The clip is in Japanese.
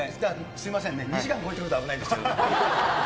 すみませんね、２時間超えてくると危ないんですよ。